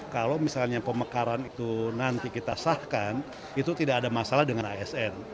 kalau misalnya pemekaran itu nanti kita sahkan itu tidak ada masalah dengan asn